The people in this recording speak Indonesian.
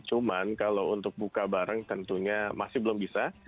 cuman kalau untuk buka bareng tentunya masih belum bisa